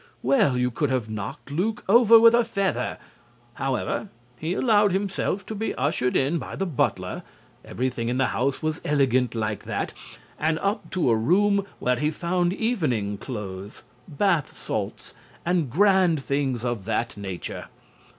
Well, you could have knocked Luke over with a feather. However, he allowed himself to be ushered in by the butler (everything in the house was elegant like that) and up to a room where he found evening clothes, bath salts and grand things of that nature.